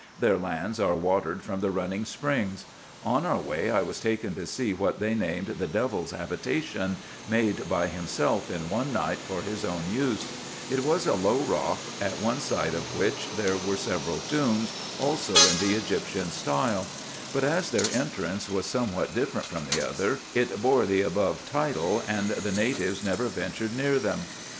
Their lands are watered from the running springs. On our way I was taken to see what they named the devil's habitation, made by himself in one night for his own use ; it was a low rock, at one side of which there were several tombs, also in the Egyptian style ; but as their entrance was somewhat different from the other, it bore the above title, and the natives never ventured near them.